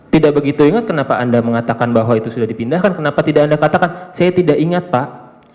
tidak begitu ingat kenapa anda mengatakan bahwa itu sudah dipindahkan kenapa tidak anda katakan saya tidak ingat pak